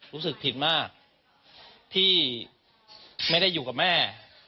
รู้สึกผิดมากที่ไม่ได้อยู่กับแม่